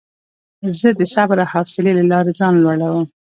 زه د صبر او حوصلې له لارې ځان لوړوم.